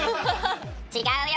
違うよ